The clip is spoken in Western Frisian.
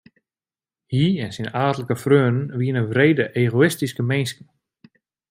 Hy en syn aadlike freonen wiene wrede egoïstyske minsken.